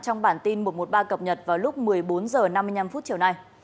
trong bản tin một trăm một mươi ba cập nhật vào lúc một mươi bốn h năm mươi năm chiều nay